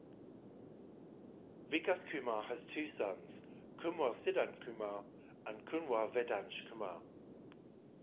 Vikas Kumar has two sons kunwar Siddhant kumar and kunwar Vedansh kumar.